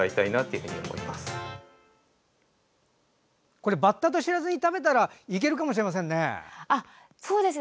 これ、バッタと知らずに食べたらいけるかもしれませんね。